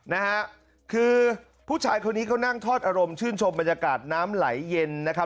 นะฮะคือผู้ชายคนนี้เขานั่งทอดอารมณ์ชื่นชมบรรยากาศน้ำไหลเย็นนะครับ